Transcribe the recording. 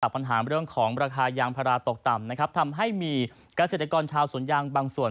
ปัญหาเรื่องของราคายางพาราตกต่ำนะครับทำให้มีเกษตรกรชาวสวนยางบางส่วน